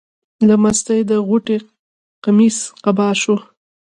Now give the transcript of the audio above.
له مستۍ د غوټۍ قمیص قبا شو.